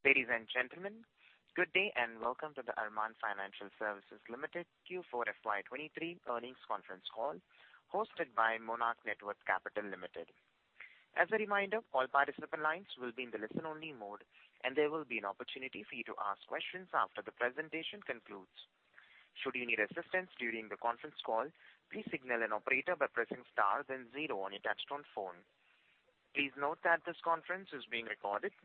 Ladies and gentlemen, good day, and welcome to the Arman Financial Services Limited Q4 FY23 earnings conference call, hosted by Monarch Networth Capital Limited. As a reminder, all participant lines will be in the listen-only mode, and there will be an opportunity for you to ask questions after the presentation concludes. Should you need assistance during the conference call, please signal an operator by pressing star then zero on your touchtone phone. Please note that this conference is being recorded.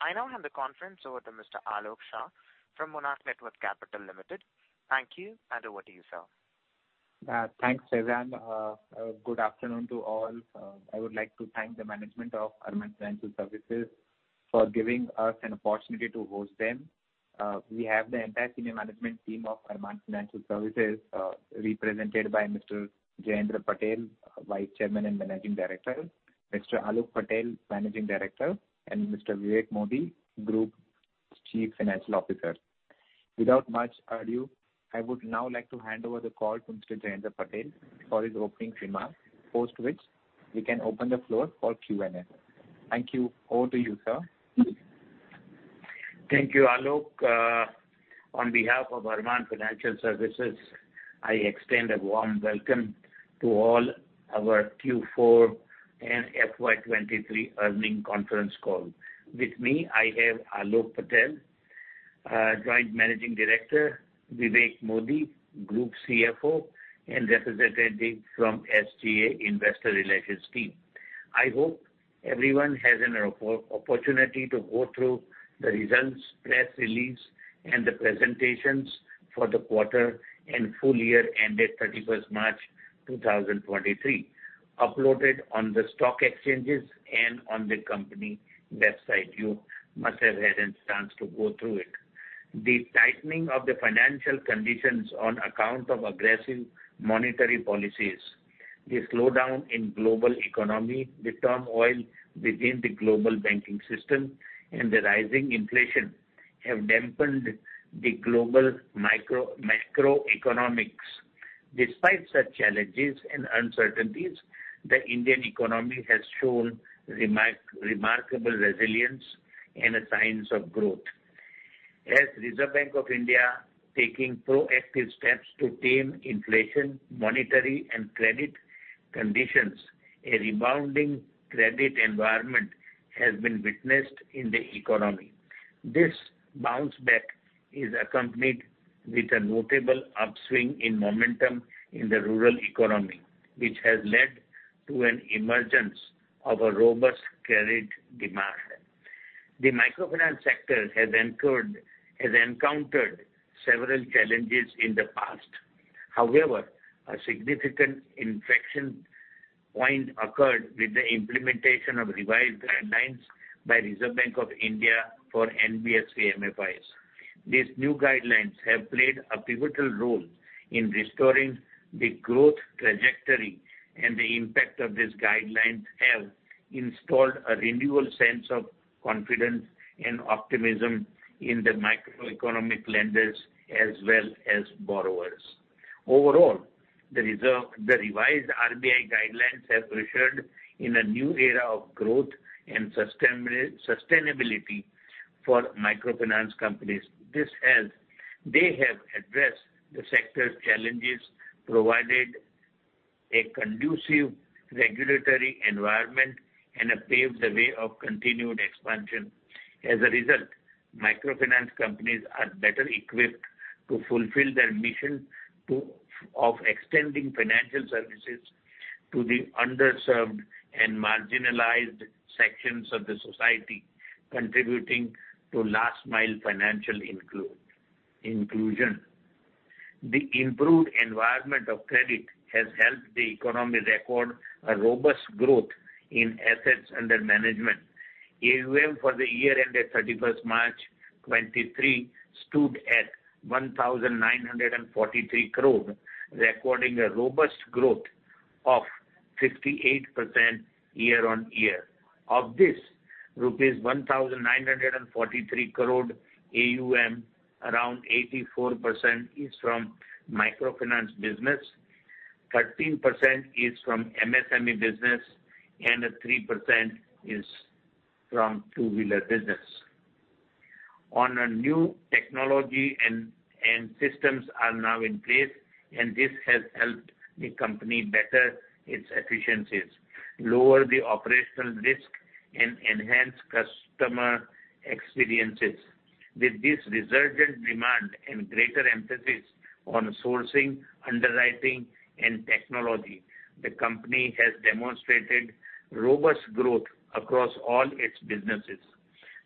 I now hand the conference over to Mr. Aalok Shah from Monarch Networth Capital Limited. Thank you. Over to you, sir. Thanks, Suzanne. Good afternoon to all. I would like to thank the management of Arman Financial Services for giving us an opportunity to host them. We have the entire senior management team of Arman Financial Services, represented by Mr. Jayendra Patel, Vice Chairman and Managing Director, Mr. Aalok Patel, Managing Director, and Mr. Vivek Modi, Group Chief Financial Officer. Without much ado, I would now like to hand over the call to Mr. Jayendra Patel for his opening remarks, post which we can open the floor for Q&A. Thank you. Over to you, sir. Thank you, Aalok. On behalf of Arman Financial Services, I extend a warm welcome to all our Q4 and FY 2023 earning conference call. With me, I have Aalok Patel, Joint Managing Director, Vivek Modi, Group CFO, and representative from SGA Investor Relations team. I hope everyone has an opportunity to go through the results, press release, and the presentations for the quarter and full year ended 31st March 2023, uploaded on the stock exchanges and on the company website. You must have had a chance to go through it. The tightening of the financial conditions on account of aggressive monetary policies, the slowdown in global economy, the turmoil within the global banking system, and the rising inflation have dampened the global macroeconomics. Despite such challenges and uncertainties, the Indian economy has shown remarkable resilience and signs of growth. As Reserve Bank of India taking proactive steps to tame inflation, monetary, and credit conditions, a rebounding credit environment has been witnessed in the economy. This bounce back is accompanied with a notable upswing in momentum in the rural economy, which has led to an emergence of a robust credit demand. The microfinance sector has encountered several challenges in the past. A significant inflection point occurred with the implementation of revised guidelines by Reserve Bank of India for NBFC-MFIs. These new guidelines have played a pivotal role in restoring the growth trajectory, the impact of these guidelines have installed a renewal sense of confidence and optimism in the microeconomic lenders as well as borrowers. Overall, the revised RBI guidelines have ushered in a new era of growth and sustainability for microfinance companies. They have addressed the sector's challenges, provided a conducive regulatory environment and have paved the way of continued expansion. As a result, microfinance companies are better equipped to fulfill their mission of extending financial services to the underserved and marginalized sections of the society, contributing to last-mile financial inclusion. The improved environment of credit has helped the economy record a robust growth in assets under management. AUM for the year ended 31st March 2023, stood at 1,943 crore, recording a robust growth of 58% year-on-year. Of this, rupees 1,943 crore AUM, around 84% is from microfinance business, 13% is from MSME business, and 3% is from two-wheeler business. On a new technology and systems are now in place, and this has helped the company better its efficiencies, lower the operational risk, and enhance customer experiences. With this resurgent demand and greater emphasis on sourcing, underwriting, and technology, the company has demonstrated robust growth across all its businesses.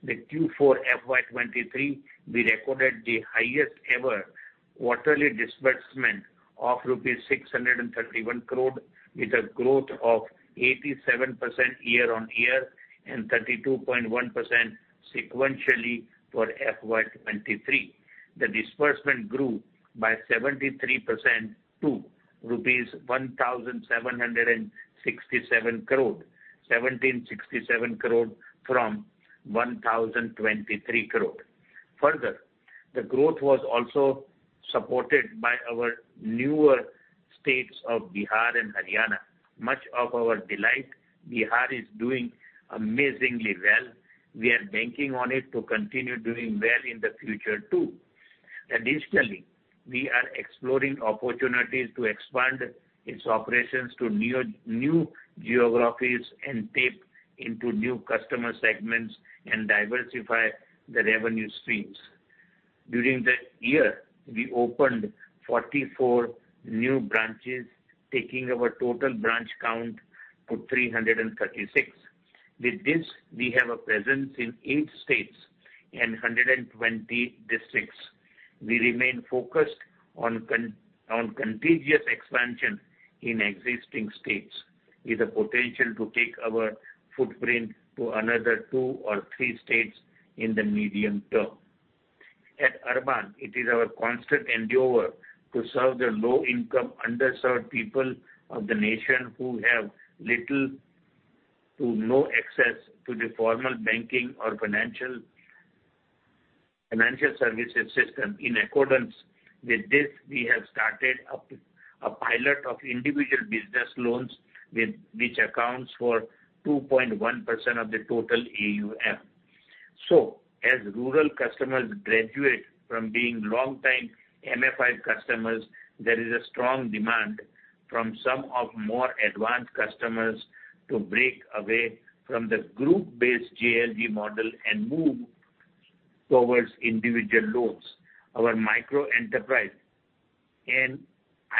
The Q4 FY23, we recorded the highest ever quarterly disbursement of rupees 631 crore, with a growth of 87% year-on-year, and 32.1% sequentially for FY23. The disbursement grew by 73% to 1,767 crore from 1,023 crore. The growth was also supported by our newer states of Bihar and Haryana. Much of our delight, Bihar is doing amazingly well. We are banking on it to continue doing well in the future, too. We are exploring opportunities to expand its operations to new geographies, and tap into new customer segments, and diversify the revenue streams. During the year, we opened 44 new branches, taking our total branch count to 336. With this, we have a presence in eight states and 120 districts. We remain focused on contiguous expansion in existing states, with a potential to take our footprint to another two or three states in the medium term. At Arman, it is our constant endeavor to serve the low-income, underserved people of the nation, who have little to no access to the formal banking or financial services system. In accordance with this, we have started a pilot of individual business loans, which accounts for 2.1% of the total AUM. As rural customers graduate from being long-time MFI customers, there is a strong demand from some of more advanced customers to break away from the group-based JLG model and move towards individual loans. Our micro-enterprise and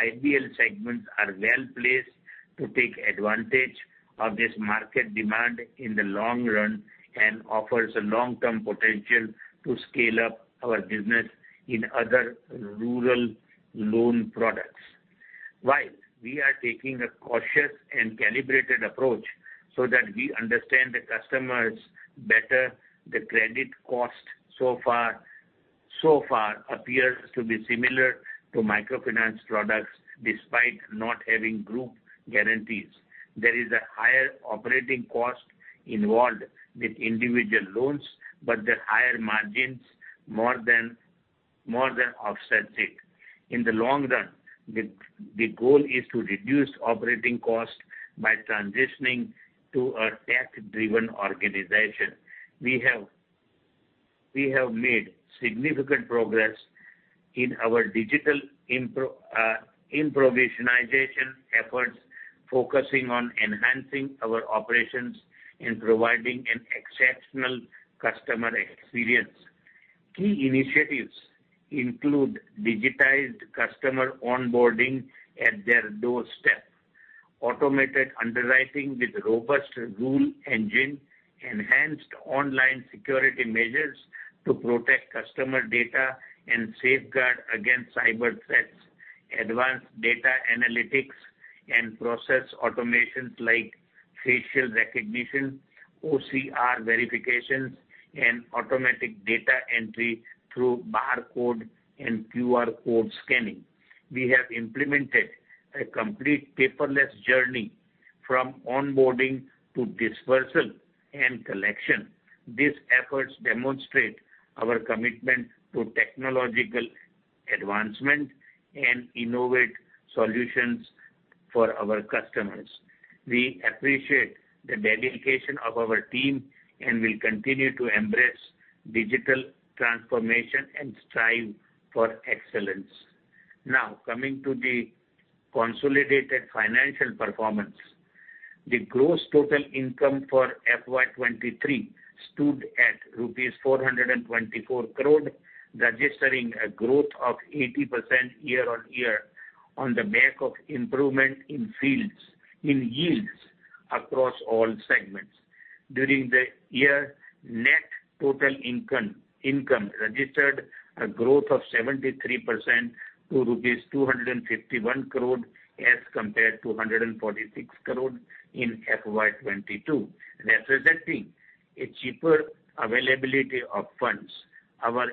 IBL segments are well-placed to take advantage of this market demand in the long run, and offers a long-term potential to scale up our business in other rural loan products. While we are taking a cautious and calibrated approach so that we understand the customers better, the credit cost so far appears to be similar to microfinance products, despite not having group guarantees. There is a higher operating cost involved with individual loans, but the higher margins more than offsets it. In the long run, the goal is to reduce operating costs by transitioning to a tech-driven organization. We have made significant progress in our digital improvisation efforts, focusing on enhancing our operations and providing an exceptional customer experience. Key initiatives include digitized customer onboarding at their doorstep, automated underwriting with robust rule engine, enhanced online security measures to protect customer data and safeguard against cyber threats, advanced data analytics, and process automations like facial recognition, OCR verifications, and automatic data entry through barcode and QR code scanning. We have implemented a complete paperless journey from onboarding to dispersal and collection. These efforts demonstrate our commitment to technological advancement and innovate solutions for our customers. We appreciate the dedication of our team, and will continue to embrace digital transformation and strive for excellence. Coming to the consolidated financial performance. The gross total income for FY 2023 stood at rupees 424 crore, registering a growth of 80% year-on-year, on the back of improvement in yields across all segments. During the year, net total income registered a growth of 73% to rupees 251 crore, as compared to 146 crore in FY 2022, representing a cheaper availability of funds. Our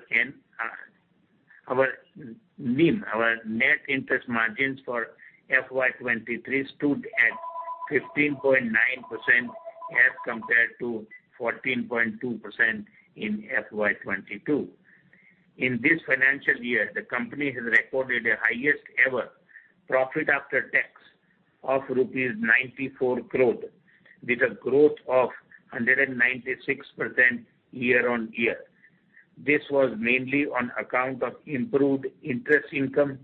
NIM, our net interest margins for FY 2023 stood at 15.9%, as compared to 14.2% in FY 2022. In this financial year, the company has recorded a highest ever profit after tax of rupees 94 crore, with a growth of 196% year-on-year. This was mainly on account of improved interest income,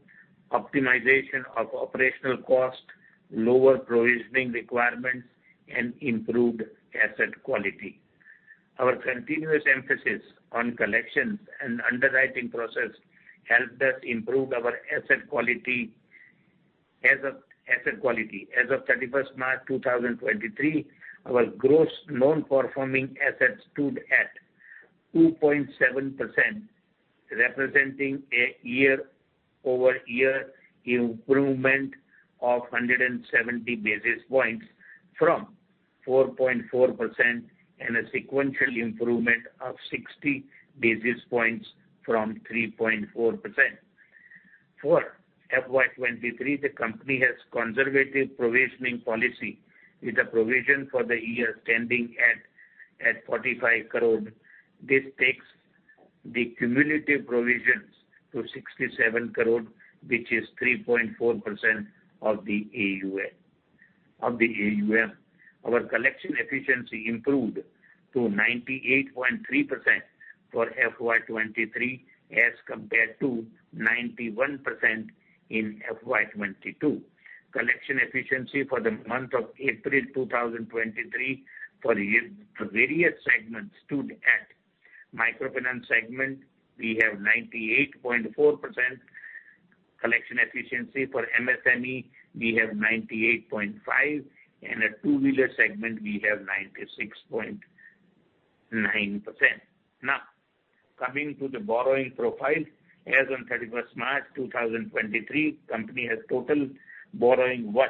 optimization of operational costs, lower provisioning requirements, and improved asset quality. Our continuous emphasis on collections and underwriting process helped us improve our asset quality. asset quality as of 31st March 2023, our GNPA stood at 2.7%, representing a year-over-year improvement of 170 basis points from 4.4%, and a sequential improvement of 60 basis points from 3.4%. For FY23, the company has conservative provisioning policy, with a provision for the year standing at 45 crore. This takes the cumulative provisions to 67 crore, which is 3.4% of the AUM. Our collection efficiency improved to 98.3% for FY23, as compared to 91% in FY22. Collection efficiency for the month of April 2023, the various segments stood at: microfinance segment, we have 98.4% collection efficiency, for MSME, we have 98.5%, and at two-wheeler segment, we have 96.9%. Coming to the borrowing profile. As on 31st March 2023, company has total borrowing worth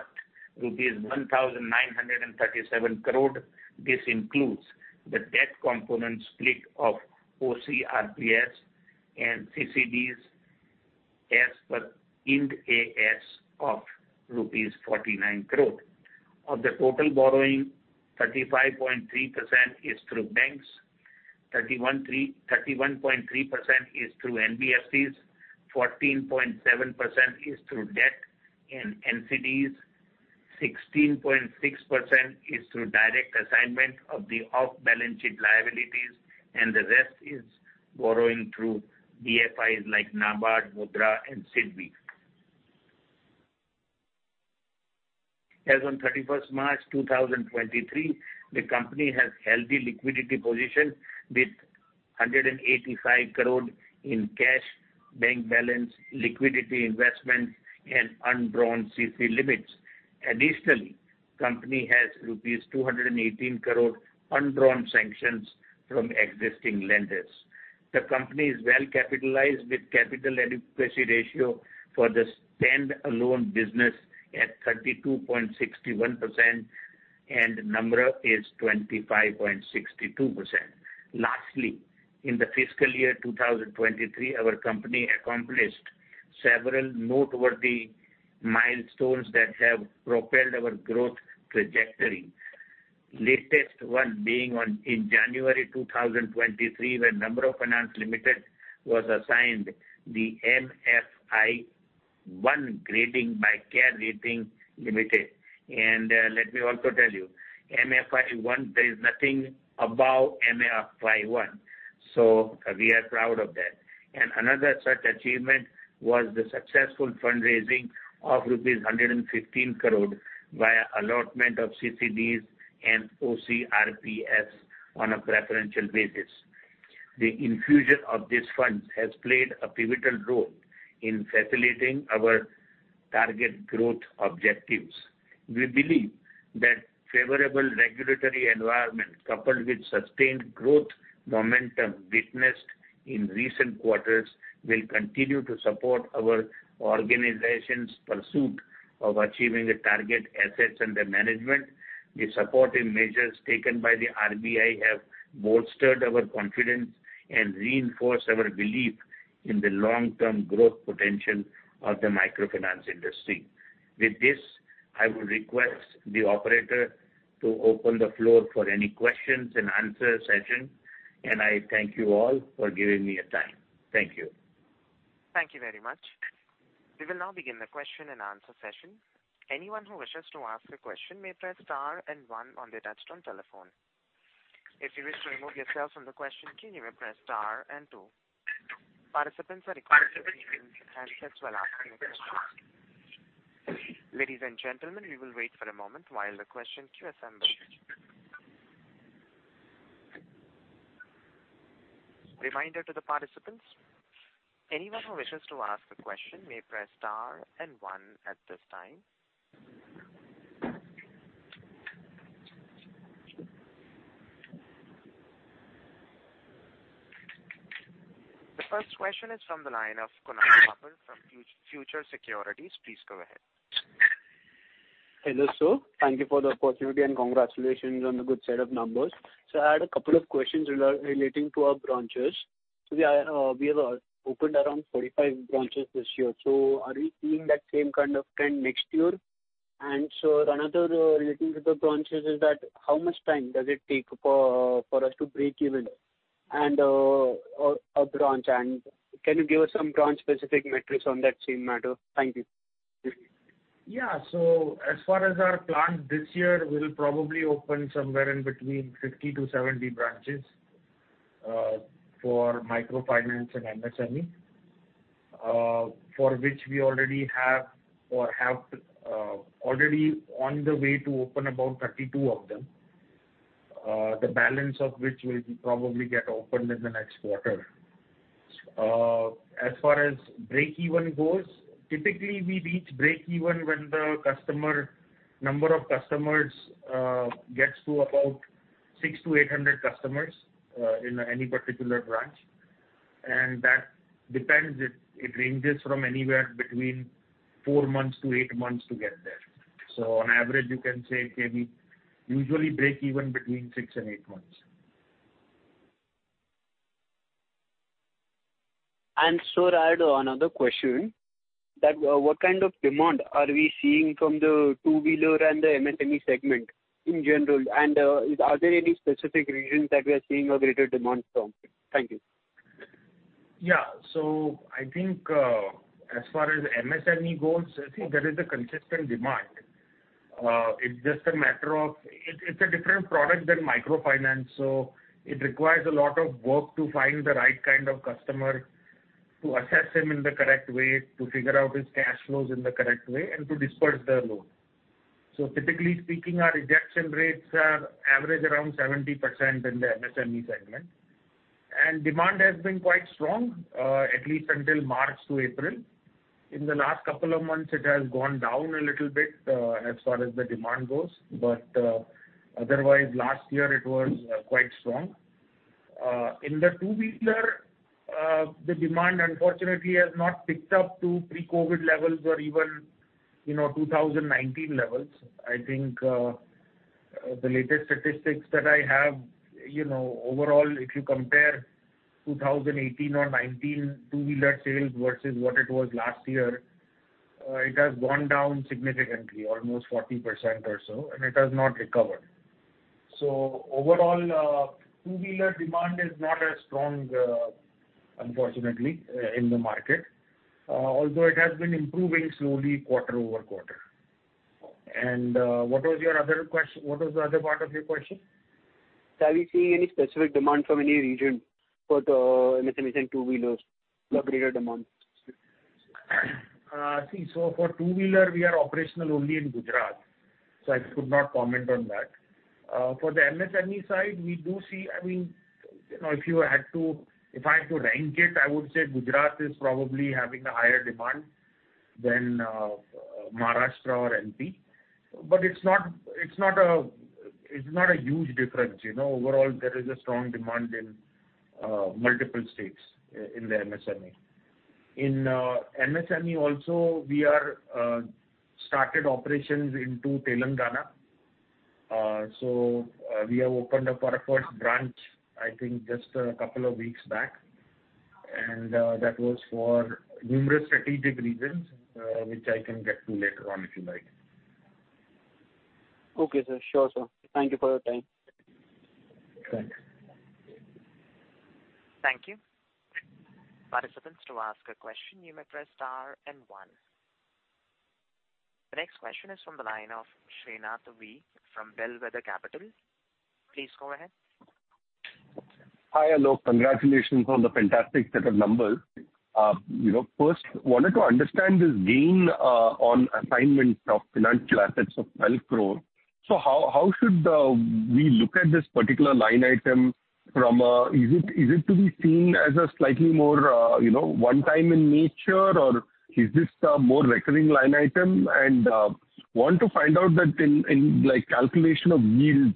rupees 1,937 crore. This includes the debt component split of OCRPS and CCDs as per Ind AS of rupees 49 crore. Of the total borrowing, 35.3% is through banks, 31.3% is through NBFCs, 14.7% is through debt and NCDs, 16.6% is through direct assignment of the off-balance sheet liabilities, and the rest is borrowing through DFIs like NABARD, MUDRA, and SIDBI. As on 31st March 2023, the company has healthy liquidity position, with 185 crore in cash, bank balance, liquidity investment, and undrawn CC limits. Additionally, company has rupees 218 crore undrawn sanctions from existing lenders. The company is well capitalized with capital adequacy ratio for the stand-alone business at 32.61%, and Namra is 25.62%. Lastly, in the fiscal year 2023, our company accomplished several noteworthy milestones that have propelled our growth trajectory. Latest one being on, in January 2023, when Namra Finance Limited was assigned the MFI 1 grading by CARE Ratings Limited. Let me also tell you, MFI 1, there is nothing above MFI 1, we are proud of that. Another such achievement was the successful fundraising of rupees 115 crore via allotment of CCDs and OCRPS on a preferential basis. The infusion of this fund has played a pivotal role in facilitating our target growth objectives. We believe that favorable regulatory environment, coupled with sustained growth momentum witnessed in recent quarters, will continue to support our organization's pursuit of achieving the target assets under management. The supportive measures taken by the RBI have bolstered our confidence and reinforced our belief in the long-term growth potential of the microfinance industry. With this, I will request the operator to open the floor for any questions and answer session, and I thank you all for giving me your time. Thank you. Thank you very much. We will now begin the question and answer session. Anyone who wishes to ask a question may press star and one on their touchtone telephone. If you wish to remove yourself from the question queue, you may press star and two. Participants are required to unmute their handsets while asking questions. Ladies and gentlemen, we will wait for a moment while the question queue assembles. Reminder to the participants, anyone who wishes to ask a question may press star and one at this time. The first question is from the line of Kunal Kothari from Fortune Securities. Please go ahead. Hello, sir. Thank you for the opportunity, and congratulations on the good set of numbers. I had a couple of questions relating to our branches. We have opened around 45 branches this year. Are we seeing that same kind of trend next year? Another relating to the branches is that how much time does it take for us to break even and a branch? Can you give us some branch-specific metrics on that same matter? Thank you. As far as our plan this year, we'll probably open somewhere in between 50-70 branches, for microfinance and MSME, for which we already have already on the way to open about 32 of them. The balance of which will probably get opened in the next quarter. As far as break even goes, typically, we reach break even when the number of customers gets to about 600-800 customers, in any particular branch. That depends, it ranges from anywhere between four months to eight months to get there. On average, you can say, maybe, usually break even between six and eight months.... I had another question, that, what kind of demand are we seeing from the two-wheeler and the MSME segment in general? Are there any specific regions that we are seeing a greater demand from? Thank you. Yeah. I think, as far as MSME goes, I think there is a consistent demand. It's just a matter of... It's a different product than microfinance, so it requires a lot of work to find the right kind of customer, to assess him in the correct way, to figure out his cash flows in the correct way, and to disperse the loan. Typically speaking, our rejection rates are average around 70% in the MSME segment. Demand has been quite strong, at least until March to April. In the last couple of months, it has gone down a little bit, as far as the demand goes, otherwise last year it was quite strong. In the two-wheeler, the demand unfortunately has not picked up to pre-COVID levels or even, you know, 2019 levels. I think the latest statistics that I have, you know, overall, if you compare 2018 or 2019 two-wheeler sales versus what it was last year, it has gone down significantly, almost 40% or so, and it has not recovered. Overall, two-wheeler demand is not as strong, unfortunately, in the market, although it has been improving slowly, quarter-over-quarter. What was your other question? What was the other part of your question? Are we seeing any specific demand from any region for the MSME and two-wheelers, the greater demand? See, so for two-wheeler, we are operational only in Gujarat, so I could not comment on that. For the MSME side, we do see, I mean, you know, if I had to rank it, I would say Gujarat is probably having a higher demand than Maharashtra or MP. It's not a huge difference, you know. Overall, there is a strong demand in multiple states in the MSME. In MSME also, we started operations into Telangana. We have opened up our first branch, I think, just a couple of weeks back, and that was for numerous strategic reasons, which I can get to later on, if you like. Okay, sir. Sure, sir. Thank you for your time. Thanks. Thank you. Participants, to ask a question, you may press star and one. The next question is from the line of Srinath V from Bellwether Capital. Please go ahead. Hi, Aalok. Congratulations on the fantastic set of numbers. you know, first, wanted to understand this gain on assignment of financial assets of 12 crore. How should we look at this particular line item from a... Is it to be seen as a slightly more, you know, one-time in nature, or is this a more recurring line item? want to find out that in, like, calculation of yield,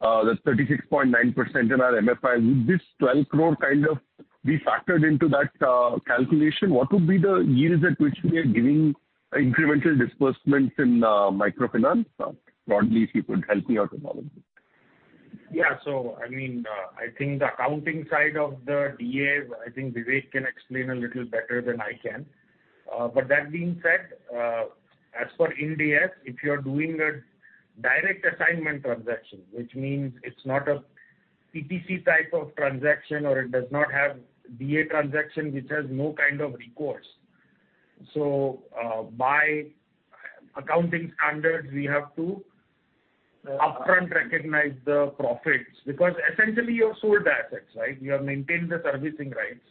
that's 36.9% in our MFI, would this 12 crore kind of be factored into that calculation? What would be the yields at which we are giving incremental disbursements in microfinance? Broadly, if you could help me out on all of this. I mean, I think the accounting side of the DA, I think Vivek can explain a little better than I can. But that being said, as for Ind AS if you're doing a direct assignment transaction, which means it's not a PTC type of transaction, or it does not have DA transaction, which has no kind of recourse. By accounting standards, we have to upfront recognize the profits, because essentially, you have sold the assets, right? You have maintained the servicing rights,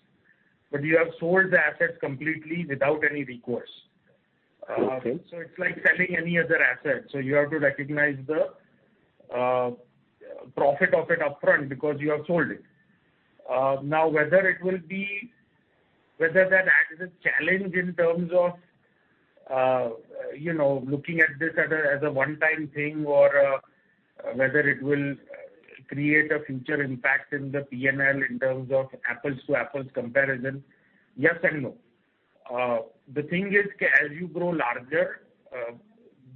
but you have sold the assets completely without any recourse. Okay. It's like selling any other assets. You have to recognize the profit of it upfront because you have sold it. Now, whether that act is a challenge in terms of, you know, looking at this as a one-time thing, or whether it will create a future impact in the PNL in terms of apples to apples comparison, yes and no. The thing is, as you grow larger,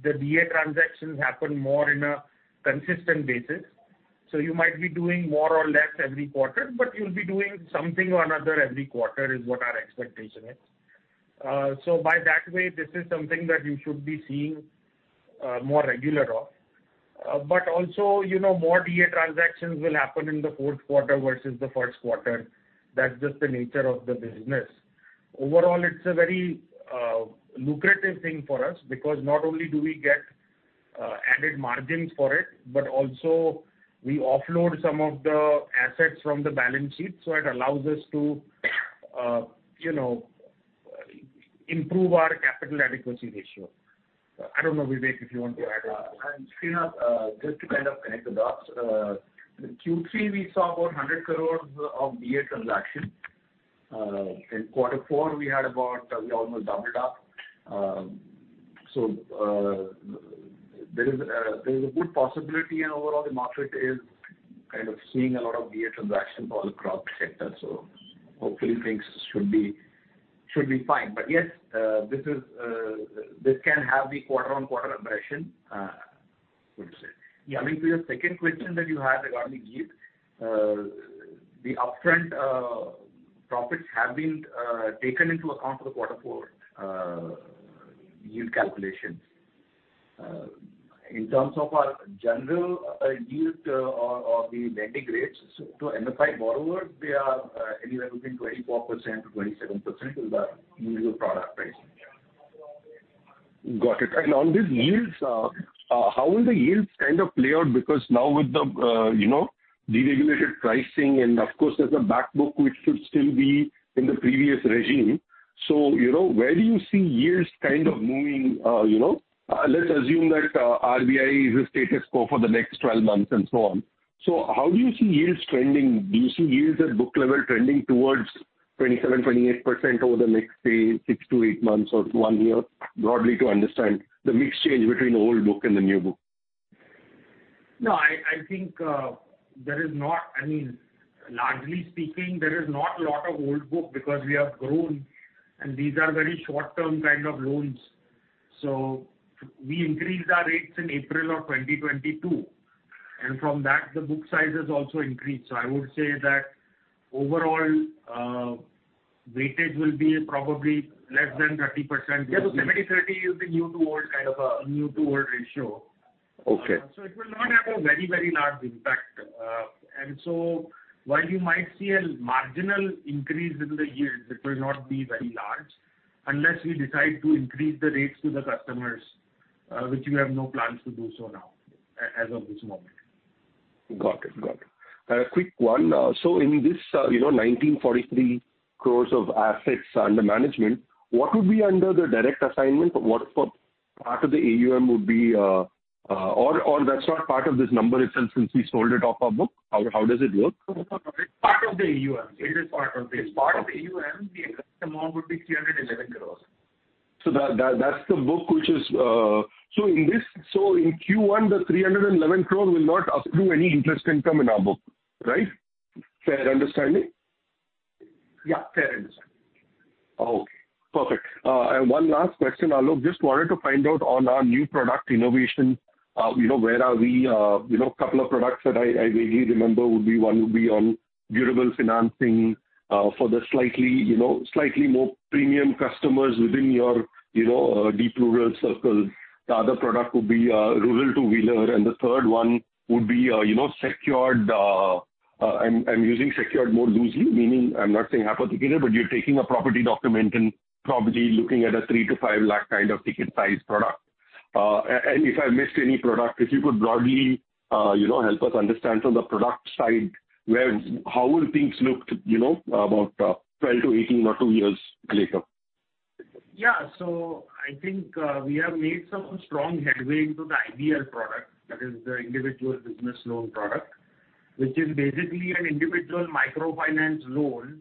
the DA transactions happen more in a consistent basis. You might be doing more or less every quarter, but you'll be doing something or another every quarter, is what our expectation is. By that way, this is something that you should be seeing, more regular of. Also, you know, more DA transactions will happen in the fourth quarter versus the first quarter. That's just the nature of the business. Overall, it's a very, lucrative thing for us, because not only do we get, added margins for it, but also we offload some of the assets from the balance sheet, it allows us to, you know, improve our capital adequacy ratio. I don't know, Vivek, if you want to add anything? Srinath, just to kind of connect the dots, in Q3, we saw about 100 crores of DA transactions. In quarter four, we had about, we almost doubled up. There is a good possibility, and overall, the market is kind of seeing a lot of DA transactions for the crop sector, so hopefully, things should be fine. Yes, this is, this can have the quarter-over-quarter oppression.... Good, sir. Yeah, I mean, to your second question that you had regarding yield, the upfront profits have been taken into account for the quarter four yield calculations. In terms of our general yield, or the lending rates to MFI borrowers, they are anywhere between 24% to 27% is our usual product price. Got it. On these yields, how will the yields kind of play out? Now with the, you know, deregulated pricing, and of course, there's a back book which should still be in the previous regime. You know, where do you see yields kind of moving, you know? Let's assume that RBI is a status quo for the next 12 months, and so on. How do you see yields trending? Do you see yields at book level trending towards 27%-28% over the next, say, six to eight months or one year? Broadly, to understand the mix change between the old book and the new book. No, I think, I mean, largely speaking, there is not a lot of old book because we have grown, and these are very short-term kind of loans. We increased our rates in April of 2022, and from that, the book size has also increased. I would say that overall, weighted will be probably less than 30%. Yeah, 70-30 is the new to old, kind of, new-to-old ratio. Okay. It will not have a very, very large impact. While you might see a marginal increase in the yields, it will not be very large unless we decide to increase the rates to the customers, which we have no plans to do so now, as of this moment. Got it. Got it. Quick one. In this, you know 1,943 crores of assets under management, what would be under the direct assignment? What part of the AUM would be... That's not part of this number itself, since we sold it off our book? How does it work? It's part of the AUM. It is part of this. Part of the AUM, the amount would be 311 crores. That's the book, which is. In this, in Q1, the 311 crore will not accrue any interest income in our book, right? Fair understanding? Yeah, fair understanding. Okay, perfect. One last question, Aalok. Just wanted to find out on our new product innovation, you know, where are we? You know, couple of products that I vaguely remember would be, one would be on durable financing, for the slightly, you know, slightly more premium customers within your, you know, deep rural circles. The other product would be, rural to wheeler, and the third one would be, you know, secured, I'm using "secured" more loosely, meaning I'm not saying hypothetically, but you're taking a property document and probably looking at an 3-5 lakh kind of ticket size product. If I missed any product, if you could broadly, you know, help us understand from the product side, where how will things look, you know, about, 12-18 or two years later? Yeah. I think, we have made some strong headway into the IBL product. That is the Individual Business Loan product, which is basically an individual microfinance loan,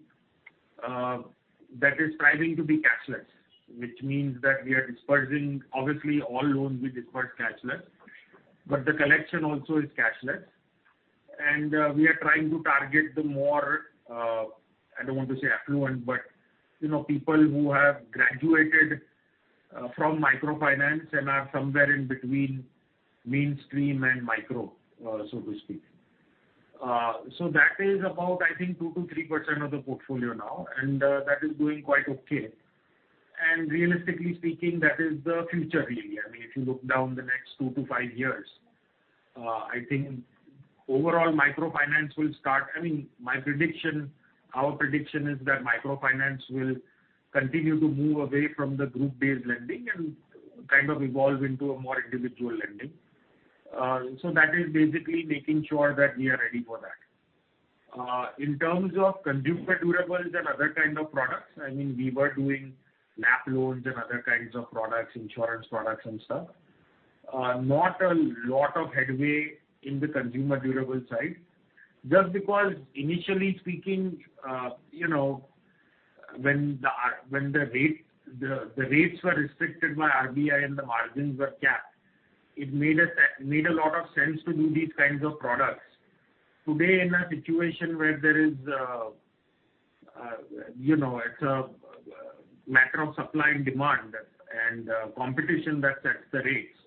that is striving to be cashless. Which means that we are dispersing obviously, all loans we disperse cashless, but the collection also is cashless. We are trying to target the more, I don't want to say affluent, but you know, people who have graduated, from microfinance and are somewhere in between mainstream and micro, so to speak. So that is about, I think, 2% to 3% of the portfolio now, and that is doing quite okay. Realistically speaking, that is the future really. I mean, if you look down the next two to five years, I think overall microfinance will start... I mean, my prediction, our prediction is that microfinance will continue to move away from the group-based lending and kind of evolve into a more individual lending. that is basically making sure that we are ready for that. in terms of consumer durables and other kind of products, I mean, we were doing LAP loans and other kinds of products, insurance products and stuff. not a lot of headway in the consumer durable side. because initially speaking, you know, when the rate, the rates were restricted by RBI and the margins were capped, it made a lot of sense to do these kinds of products. Today, in a situation where there is, you know, it's a matter of supply and demand and competition that sets the rates,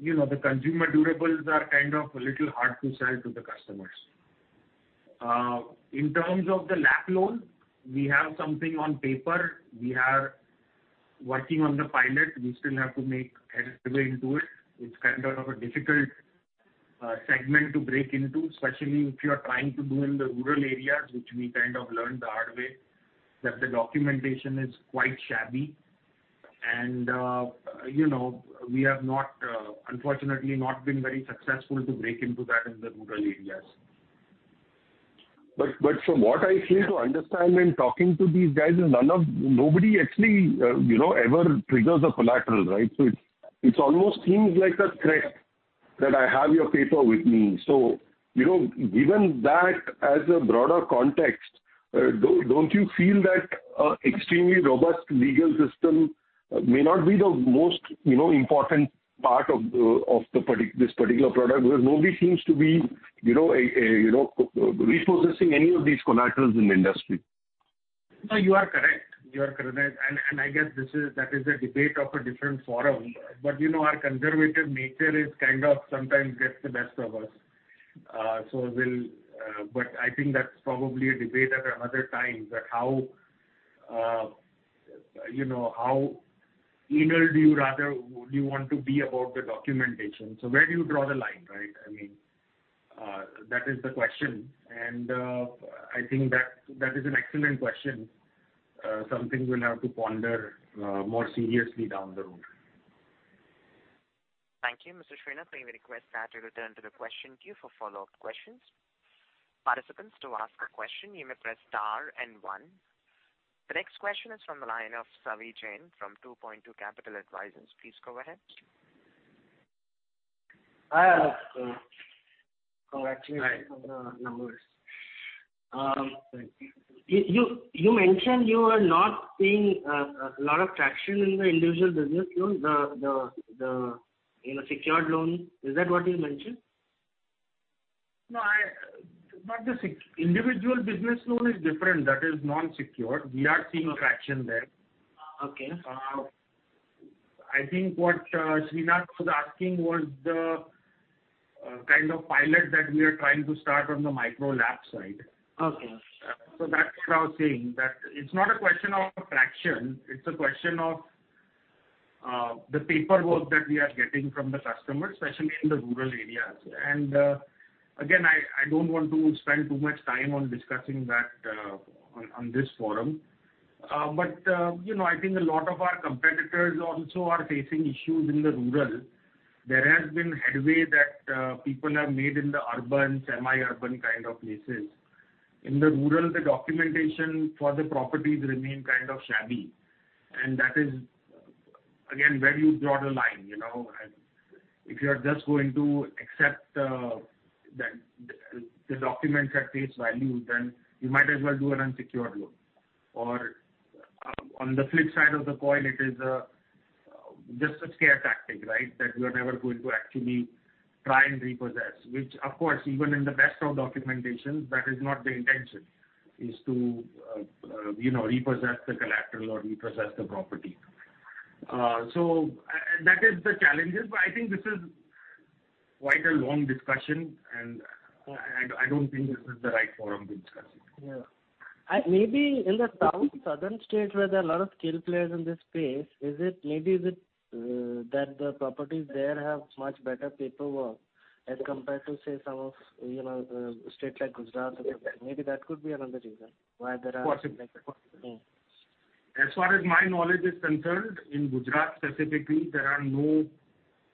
you know, the consumer durables are kind of a little hard to sell to the customers. In terms of the LAP loan, we have something on paper. We are working on the pilot. We still have to make headway into it. It's kind of a difficult segment to break into, especially if you are trying to do in the rural areas, which we kind of learned the hard way, that the documentation is quite shabby and, you know, we have not, unfortunately, not been very successful to break into that in the rural areas. From what I feel to understand when talking to these guys is nobody actually, you know, ever triggers a collateral, right? It almost seems like a threat that I have your paper with me. You know, given that as a broader context, don't you feel that extremely robust legal system may not be the most, you know, important part of this particular product? Nobody seems to be, you know, a, you know, repossessing any of these collaterals in the industry. No, you are correct. You are correct. I guess this is, that is a debate of a different forum. You know, our conservative nature is kind of sometimes gets the best of us. We'll, but I think that's probably a debate at another time, that how, you know, how eager do you rather would you want to be about the documentation? Where do you draw the line, right? I mean, that is the question, and I think that is an excellent question. Something we'll have to ponder, more seriously down the road. Thank you, Mr. Srinath V. We request that you return to the question queue for follow-up questions. Participants, to ask a question, you may press star and one. The next question is from the line of Savi Jain from 2Point2 Capital Advisors. Please go ahead. Hi, Aalok. Hi. -on the numbers. you mentioned you are not seeing a lot of traction in the individual business loans, the, you know, secured loans. Is that what you mentioned? No, the individual business loan is different. That is non-secured. Okay. traction there. Okay. I think what Srinath was asking was the kind of pilot that we are trying to start on the Micro-LAP side. Okay. That's what I was saying, that it's not a question of traction, it's a question of the paperwork that we are getting from the customers, especially in the rural areas. Again, I don't want to spend too much time on discussing that on this forum. You know, I think a lot of our competitors also are facing issues in the rural. There has been headway that people have made in the urban, semi-urban kind of places. In the rural, the documentation for the properties remain kind of shabby, and that is, again, where do you draw the line, you know? If you are just going to accept the, the documents at face value, then you might as well do an unsecured loan. On the flip side of the coin, it is just a scare tactic, right? That you are never going to actually try and repossess, which of course, even in the best of documentation, that is not the intention, is to, you know, repossess the collateral or repossess the property. And that is the challenges, but I think this is quite a long discussion, and I don't think this is the right forum to discuss it. Yeah. Maybe in the south, southern states, where there are a lot of skill players in this space, is it, that the properties there have much better paperwork as compared to, say, some of, you know, state like Gujarat? That could be another reason why. Possibly. Possibly. Mm. As far as my knowledge is concerned, in Gujarat specifically, there are no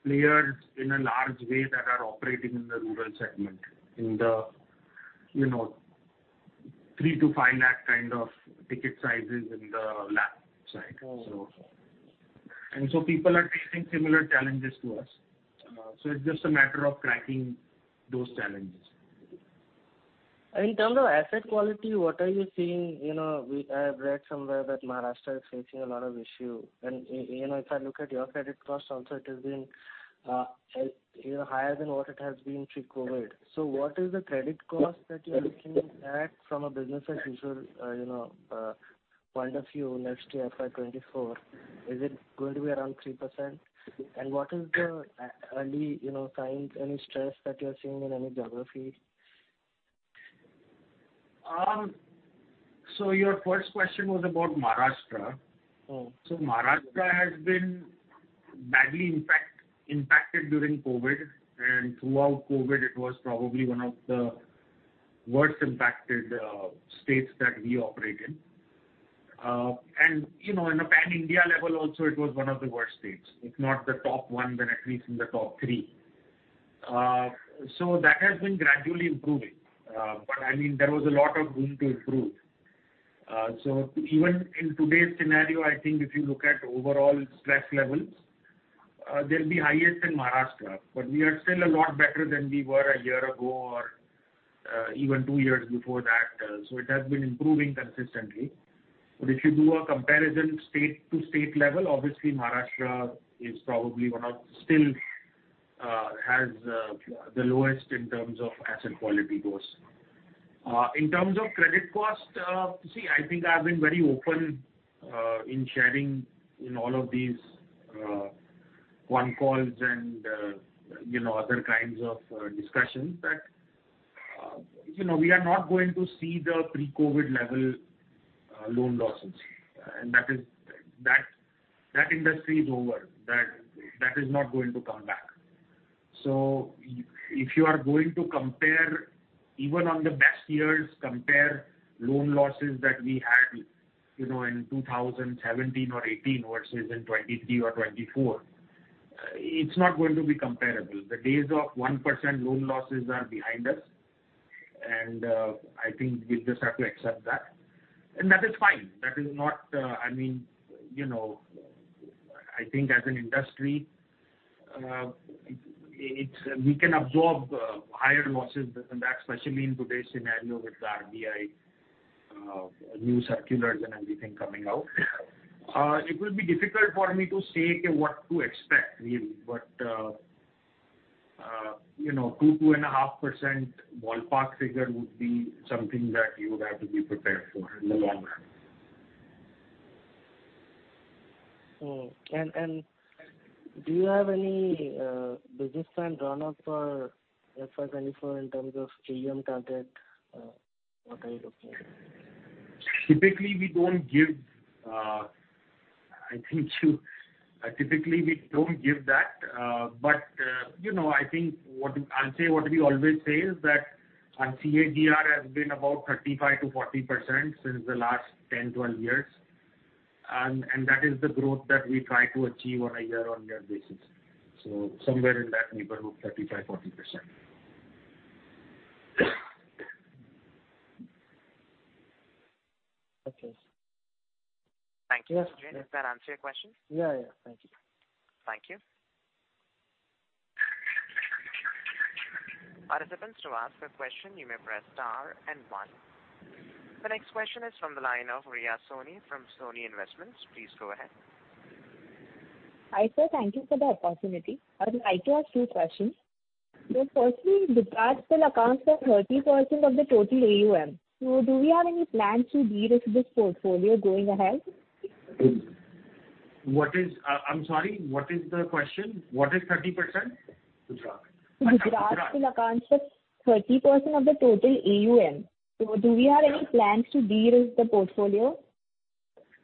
players in a large way that are operating in the rural segment, in the, you know, 3 lakh-5 lakh kind of ticket sizes in the LAP side. Mm-hmm. People are facing similar challenges to us. It's just a matter of cracking those challenges. In terms of asset quality, what are you seeing? You know, I have read somewhere that Maharashtra is facing a lot of issue. You know, if I look at your credit cost also, it has been, you know, higher than what it has been through COVID. What is the credit cost that you are looking at from a business as usual, you know, point of view next year, FY24? Is it going to be around 3%? What is the early, you know, signs, any stress that you are seeing in any geography? Your first question was about Maharashtra. Mm. Maharashtra has been badly impacted during COVID, and throughout COVID, it was probably one of the worst impacted states that we operate in. You know, in a pan-India level also, it was one of the worst states. If not the top one, then at least in the top three. That has been gradually improving. I mean, there was a lot of room to improve. Even in today's scenario, I think if you look at overall stress levels, they'll be highest in Maharashtra, but we are still a lot better than we were a year ago or even two years before that. It has been improving consistently. If you do a comparison state to state level, obviously, Maharashtra is probably one of. Still has the lowest in terms of asset quality goes. In terms of credit cost, see, I think I've been very open in sharing in all of these one calls and, you know, other kinds of discussions, that, you know, we are not going to see the pre-COVID level loan losses. That is, that industry is over. That is not going to come back. If you are going to compare, even on the best years, compare loan losses that we had, you know, in 2017 or 2018 versus in 2023 or 2024, it's not going to be comparable. The days of 1% loan losses are behind us, I think we'll just have to accept that. That is fine. That is not. I mean, you know, I think as an industry, we can absorb higher losses than that, especially in today's scenario with the RBI, new circulars and everything coming out. It will be difficult for me to say what to expect really, but... you know, 2.5% ballpark figure would be something that you would have to be prepared for in the long run. Do you have any business plan drawn up for FY 24 in terms of AUM target? What are you looking at? Typically, we don't give that. You know, I think I'll say what we always say is that our CAGR has been about 35%-40% since the last 10, 12 years. That is the growth that we try to achieve on a year-on-year basis. Somewhere in that neighborhood, 35%, 40%. Okay. Thank you. Does that answer your question? Yeah, yeah. Thank you. Thank you. Participants, to ask a question, you may press star and one. The next question is from the line of Riya Soni, from Soni Investments. Please go ahead. Hi, sir. Thank you for the opportunity. I would like to ask two questions. Firstly, Gujarat still accounts for 30% of the total AUM. Do we have any plans to de-risk this portfolio going ahead? I'm sorry, what is the question? What is 30%? Gujarat. Gujarat. Gujarat still accounts for 30% of the total AUM. Do we have any plans to de-risk the portfolio?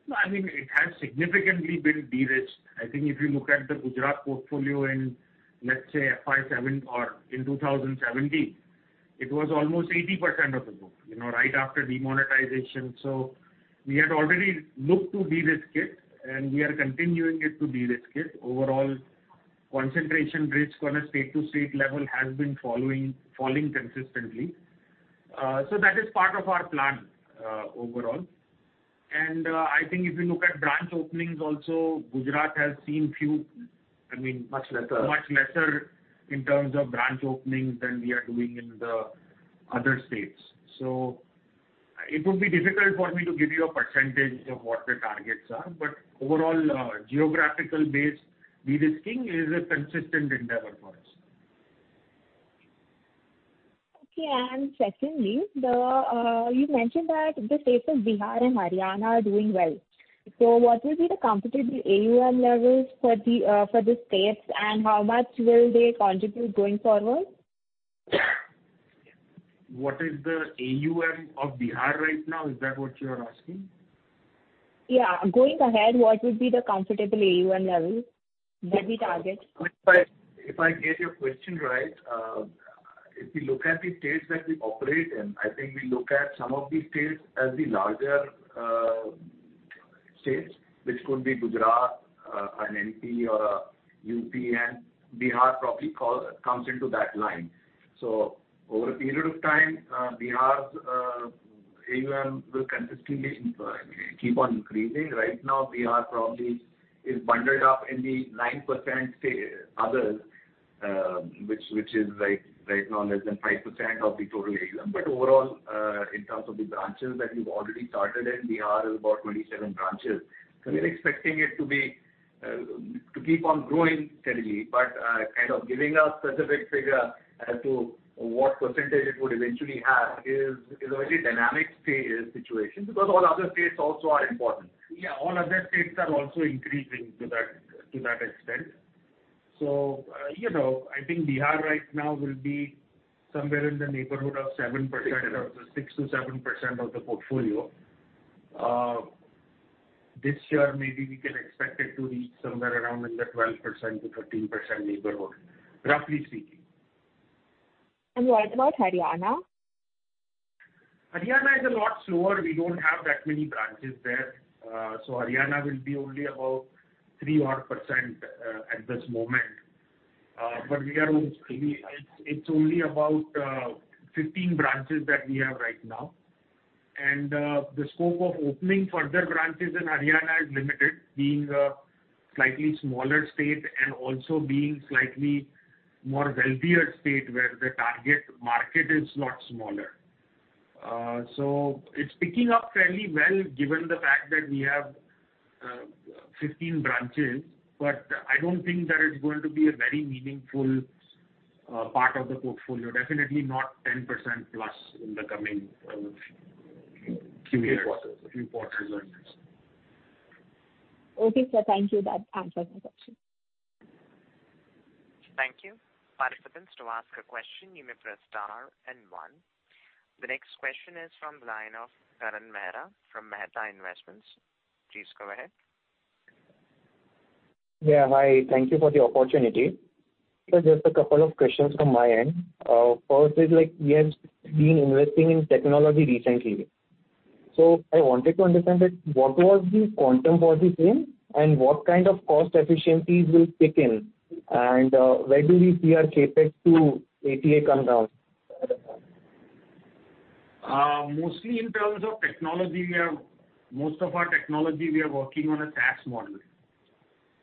No, I mean, it has significantly been de-risked. I think if you look at the Gujarat portfolio in, let's say, FY17 or in 2017, it was almost 80% of the book, you know, right after demonetization. We had already looked to de-risk it, and we are continuing it to de-risk it. Overall, concentration risk on a state-to-state level has been falling consistently. That is part of our plan overall. I think if you look at branch openings also, Gujarat has seen Much lesser in terms of branch openings than we are doing in the other states. It would be difficult for me to give you a percentage of what the targets are, but overall, geographical-based de-risking is a consistent endeavor for us. Okay. Secondly, the, you mentioned that the states of Bihar and Haryana are doing well. What will be the comfortable AUM levels for the, for the states, and how much will they contribute going forward? What is the AUM of Bihar right now? Is that what you are asking? Yeah. Going ahead, what would be the comfortable AUM level that we target? If I get your question right, if we look at the states that we operate in, I think we look at some of the states as the larger states, which could be Gujarat, and MP or UP, and Bihar probably comes into that line. Over a period of time, Bihar's AUM will consistently keep on increasing. Right now, Bihar probably is bundled up in the 9% say, other, which is like, right now, less than 5% of the total AUM. Overall, in terms of the branches that we've already started in, Bihar is about 27 branches. We're expecting it to be to keep on growing steadily. Kind of giving a specific figure as to what percentage it would eventually have is a very dynamic situation, because all other states also are important. Yeah, all other states are also increasing to that extent. You know, I think Bihar right now will be somewhere in the neighborhood of 7%, of the 6%-7% of the portfolio. This year, maybe we can expect it to reach somewhere around in the 12%-13% neighborhood, roughly speaking. What about Haryana? Haryana is a lot slower. We don't have that many branches there. Haryana will be only about 3 odd %, at this moment. We are only, it's only about, 15 branches that we have right now. The scope of opening further branches in Haryana is limited, being a slightly smaller state and also being slightly more wealthier state, where the target market is lot smaller. It's picking up fairly well, given the fact that we have, 15 branches, but I don't think that it's going to be a very meaningful, part of the portfolio. Definitely not 10% plus in the coming, few years. Few quarters. Few quarters like this. Okay, sir. Thank you. That answers my question. Thank you. Participants, to ask a question, you may press star and one. The next question is from the line of Karan Mehra, from Mehta Investments. Please go ahead. Yeah, hi. Thank you for the opportunity. Just a couple of questions from my end. First is, like, we have been investing in technology recently. I wanted to understand that, what was the quantum for the same, and what kind of cost efficiencies will kick in, and, where do we see our Opex to AUM come down? Mostly in terms of technology, most of our technology, we are working on a SaaS model,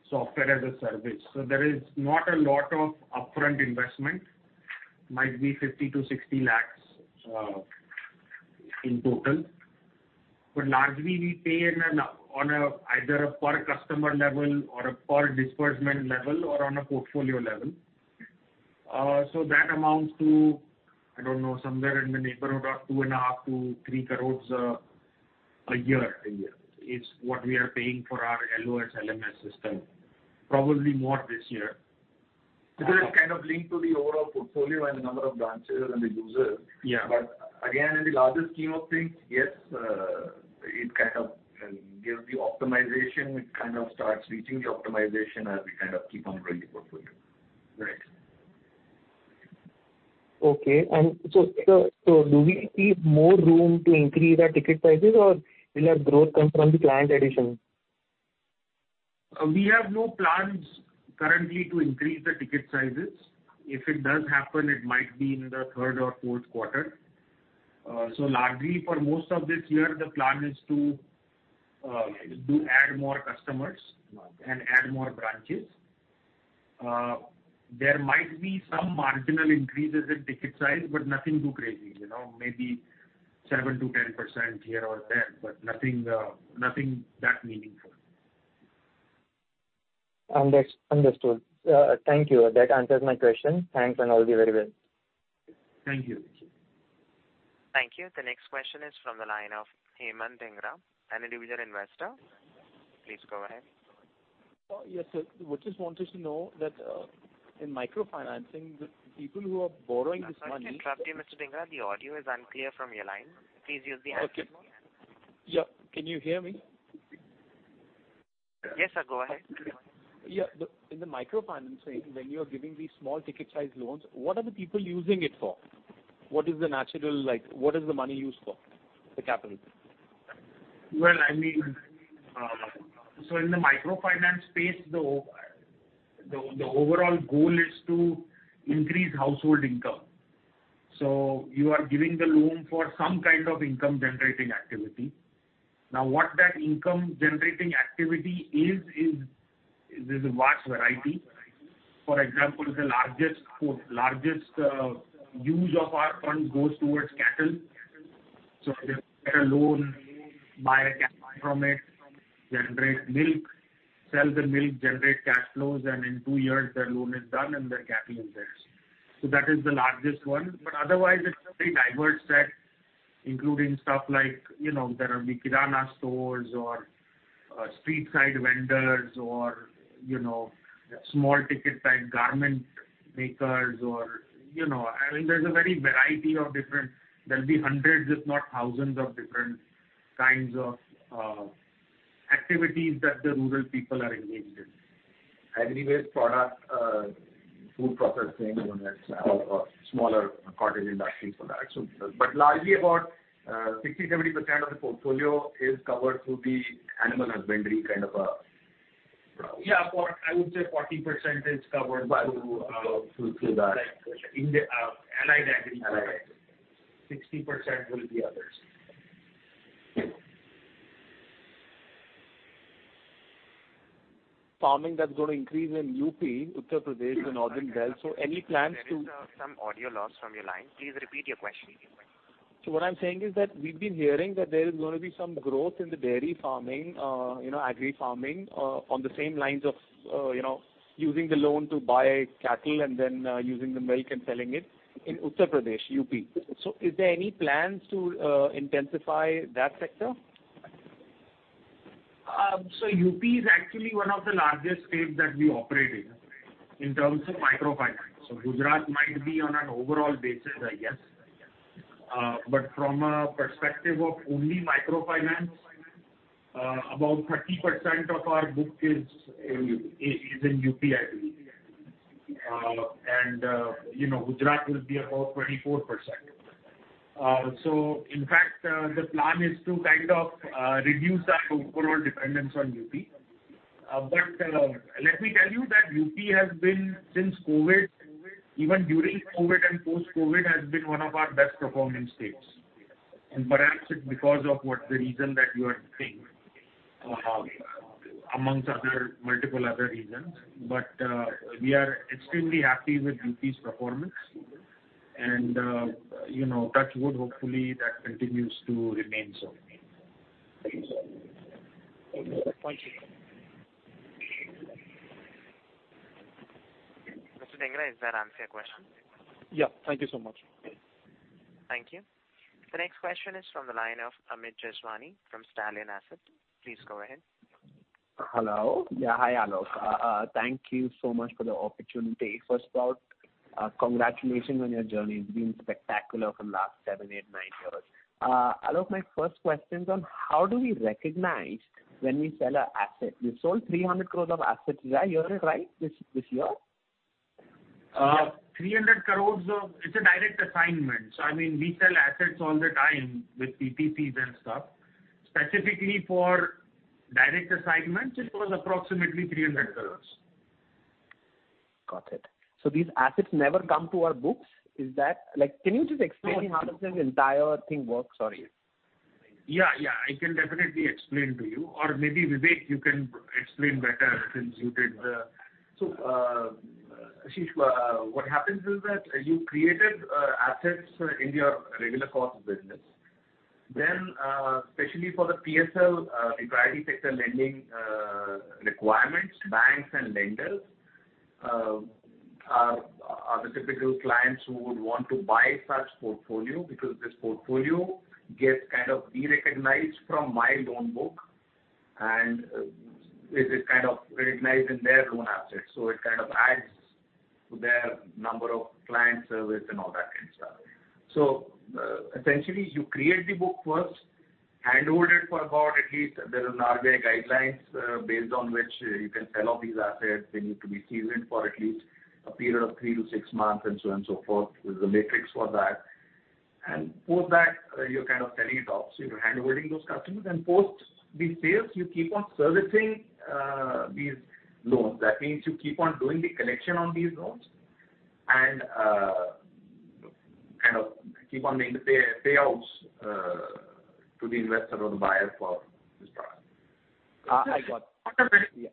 software as a service. There is not a lot of upfront investment. Might be 50 lakhs-60 lakhs in total. Largely we pay on a either a per customer level or a per disbursement level or on a portfolio level. That amounts to, I don't know, somewhere in the neighborhood of 2.5 crores-3 crores a year, is what we are paying for our LOS/LMS system. Probably more this year. It's kind of linked to the overall portfolio and the number of branches and the users. Yeah. In the larger scheme of things, yes, it kind of, gives the optimization. It kind of starts reaching the optimization as we kind of keep on growing the portfolio. Right. Okay. So do we see more room to increase our ticket prices, or will our growth come from the client addition? We have no plans currently to increase the ticket sizes. If it does happen, it might be in the third or fourth quarter. Largely for most of this year, the plan is to add more customers and add more branches. There might be some marginal increases in ticket size, but nothing too crazy, you know, maybe 7%-10% here or there, but nothing that meaningful. understood. Thank you. That answers my question. Thanks, and all the very well. Thank you. Thank you. The next question is from the line of Himanshu Dhingra, an individual investor. Please go ahead. Yes, sir. We just wanted to know that, in microfinancing, the people who are borrowing this money? Sorry to interrupt you, Mr. Dhingra. The audio is unclear from your line. Please use the handset phone. Okay. Yeah, can you hear me? Yes, sir, go ahead. Yeah. In the microfinancing, when you are giving these small ticket size loans, what are the people using it for? What is the money used for, the capital? Well, I mean, in the microfinance space, the overall goal is to increase household income. You are giving the loan for some kind of income-generating activity. Now, what that income-generating activity is, there's a vast variety. For example, the largest use of our fund goes towards cattle. They get a loan, buy a cattle from it, generate milk, sell the milk, generate cash flows, and in two years their loan is done and their cattle is theirs. That is the largest one. Otherwise, it's a very diverse set, including stuff like, you know, there are the kirana stores or street side vendors or, you know, small ticket type garment makers or, you know... I mean, there's a very variety of different, there'll be hundreds, if not thousands, of different kinds of activities that the rural people are engaged in. Agriculture product, food processing and then smaller cottage industries for that. Largely about, 60%-70% of the portfolio is covered through the animal husbandry kind of. Yeah, for, I would say 40% is covered to. To that. In the allied agriculture. Allied agriculture. 60% will be others. Farming that's going to increase in UP, Uttar Pradesh, the northern Delhi. Any plans to- There is, some audio loss from your line. Please repeat your question. What I'm saying is that we've been hearing that there is going to be some growth in the dairy farming, you know, agri farming, on the same lines of, you know, using the loan to buy cattle and then, using the milk and selling it in Uttar Pradesh, UP. Is there any plans to intensify that sector? UP is actually one of the largest states that we operate in terms of microfinance. Gujarat might be on an overall basis, I guess. But from a perspective of only microfinance, about 30% of our book is in UP, I believe. And, Gujarat will be about 24%. So in fact, the plan is to reduce our overall dependence on UP. But, let me tell you that UP has been since COVID, even during COVID and post-COVID, has been one of our best performing states. And perhaps it's because of what the reason that you are thinking, amongst other, multiple other reasons. But, we are extremely happy with UP's performance and, you know, touch wood, hopefully that continues to remain so. Thank you, sir. Thank you. Mr. Dhingra, does that answer your question? Yeah. Thank you so much. Thank you. The next question is from the line of Amit Jeswani from Stallion Asset. Please go ahead. Hello? Yeah, hi, Aalok. Thank you so much for the opportunity. First of all, congratulations on your journey. It's been spectacular for the last seven, eight, nine years. Aalok, my first question is on, how do we recognize when we sell an asset? You sold 300 crores of assets. Did I hear it right, this year? 300 crores. It's a direct assignment. I mean, we sell assets all the time with PTCs and stuff. Specifically for direct assignments, it was approximately 300 crores. Got it. These assets never come to our books? Is that... Like, can you just explain how this entire thing works? Sorry. Yeah, yeah, I can definitely explain to you or maybe, Vivek, you can explain better since you did. So, uh- Ashish, what happens is that you created assets in your regular course business. Especially for the PSL, the priority sector lending requirements, banks and lenders are the typical clients who would want to buy such portfolio, because this portfolio gets kind of de-recognized from my loan book, and it is kind of recognized in their loan assets. It kind of adds to their number of client service and all that kind of stuff. Essentially, you create the book first, handhold it for about at least there is an RBI guidelines, based on which you can sell off these assets. They need to be seasoned for at least a period of three to six months, and so on and so forth. There's a matrix for that. Post that, you're kind of selling it off. You're handholding those customers, and post the sales, you keep on servicing these loans. That means you keep on doing the collection on these loans and, kind of keep on making payouts to the investor or the buyer for this product. Uh, I got-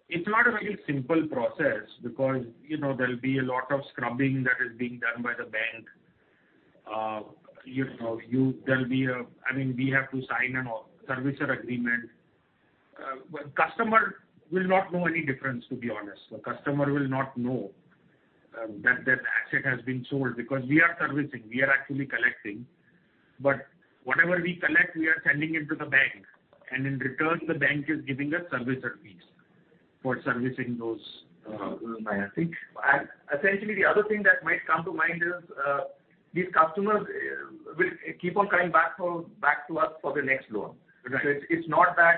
It's not a very simple process because, you know, there'll be a lot of scrubbing that is being done by the bank. You know, I mean, we have to sign a servicer agreement. Customer will not know any difference, to be honest. The customer will not know, that their asset has been sold because we are servicing, we are actually collecting. Whatever we collect, we are sending it to the bank, and in return, the bank is giving us servicer fees for servicing those, money. I think, essentially, the other thing that might come to mind is, these customers, will keep on coming back to us for the next loan. Right. it's not that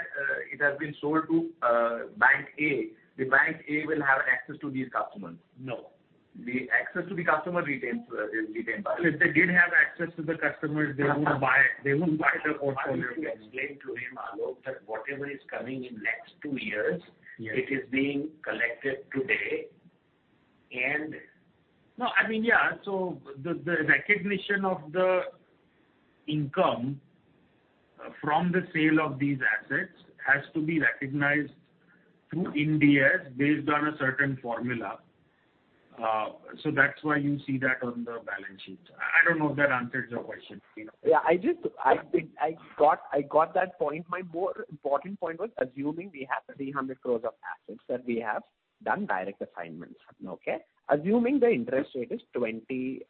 it has been sold to bank A. The bank A will have access to these customers? No. The access to the customer retains, is retained by. If they did have access to the customers, they wouldn't buy the portfolio. I need to explain to him, Aalok, that whatever is coming in next two years- Yes. It is being collected today. No, I mean, yeah, the recognition of the income from the sale of these assets has to be recognized through NDS based on a certain formula. That's why you see that on the balance sheet. I don't know if that answers your question, you know? I just, I think I got that point. My more important point was, assuming we have 300 crores of assets that we have done direct assignments, okay? Assuming the interest rate is 24%. Yes.